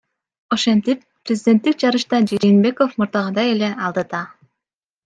Ошентип, президенттик жарышта Жээнбеков мурдагыдай эле алдыда.